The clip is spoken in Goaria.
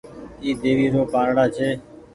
اي ديوي رو پآنڙآ ڇي۔